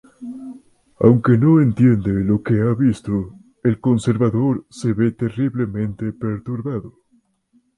Aunque no entiende lo que ha visto, el conservador se ve terriblemente perturbado.